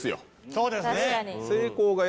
そうですね